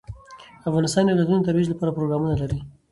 افغانستان د ولایتونو د ترویج لپاره پروګرامونه لري.